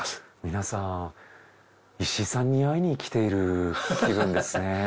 皆さん石井さんに会いに来ている気分ですね。